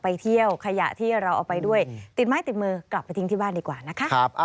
ไปเที่ยวขยะที่เราเอาไปด้วยติดไม้ติดมือกลับไปทิ้งที่บ้านดีกว่านะคะ